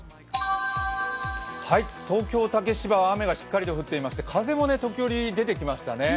東京・竹芝は雨がしっかりと降っていまして、風も時折、出てきましたね。